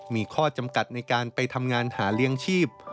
มีข้อจำกัดในการไปทำงานหาเลี้ยงชีพ